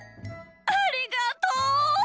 ありがとう！